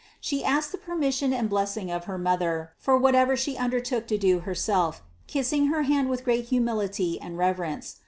She asked the permis sion and blessing of her mother for whatever She under took to do Herself, kissing her hand with great humility and reverence.